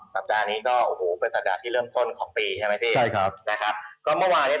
สวัสดีครับ